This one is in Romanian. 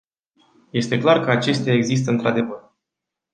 Este clar că acestea există într-adevăr.